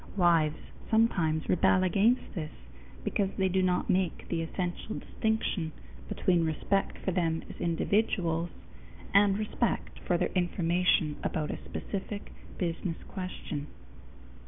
Wives sometimes rebel against this, because they do not make the essential distinction between respect for them as individuals and respect for their information about a specific business question.